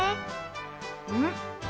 うん？